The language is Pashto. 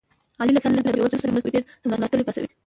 علي له تل له بې وزلو سره مرسته کوي. ډېر څملاستلي پاڅوي.